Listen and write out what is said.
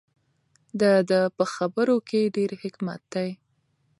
د ده په خبرو کې ډېر حکمت دی.